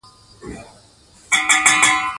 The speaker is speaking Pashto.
مور ماشومانو ته د ښه چلند عادتونه ښيي